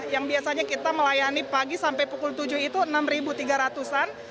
yang biasanya kita melayani pagi sampai pukul tujuh itu enam tiga ratus an